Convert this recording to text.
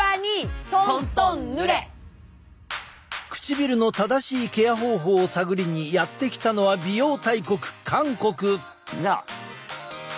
唇の正しいケア方法を探りにやって来たのは美容大国韓国。